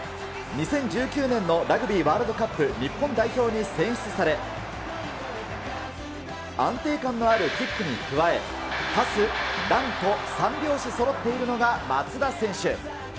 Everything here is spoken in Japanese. ２０１９年のラグビーワールドカップ日本代表に選出され、安定感のあるキックに加え、パス、ランと、三拍子そろっているのが松田選手。